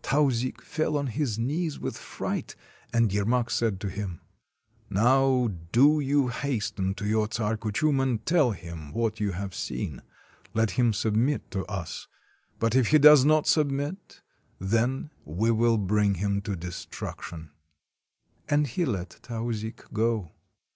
Tauzik fell on his knees with fright, and Yermak said to him :— "Now do you hasten to your Czar Kuchum and tell him what you have seen. Let him submit to us; but if i66 THE CONQUEST OF SIBERIA he does not submit, then we will bring him to destruc tion." And he let Tauzik go.